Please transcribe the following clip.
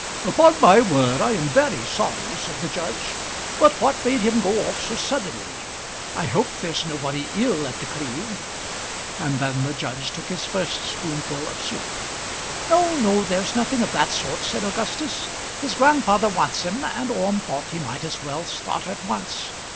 "Upon my word I am very sorry," said the judge. "But what made him go off so suddenly? I hope there's nobody ill at The Cleeve!" And then the judge took his first spoonful of soup. "No, no; there is nothing of that sort," said Augustus. "His grandfather wants him, and Orme thought he might as well start at once.